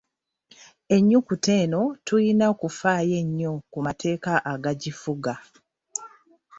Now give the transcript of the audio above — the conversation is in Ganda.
Ennyukuta eno tulina okufaayo ennyo ku mateeka agagifuga.